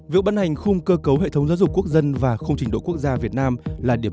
việc bán hành khung cơ cấu hệ thống giáo dục quốc dân và không trình độ quốc gia việt nam là điểm